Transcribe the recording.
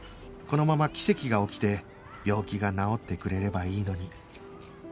このまま奇跡が起きて病気が治ってくれればいいのに